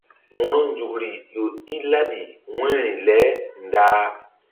Wo̧ronzukri ƴo i laɓi wu̧yri le ndah.